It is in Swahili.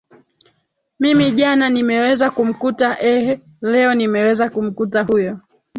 mimi jana nimeweza kumkuta eeh leo nimeweza kumkuta huyo